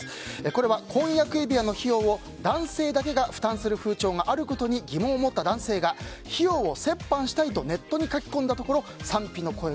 これは婚約指輪の費用を男性だけが負担する風潮があることに疑問を持った男性が費用を折半したいとネットに書き込んだところ田中、どう思う？